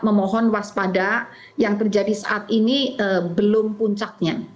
memohon waspada yang terjadi saat ini belum puncaknya